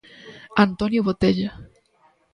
Antonio Botella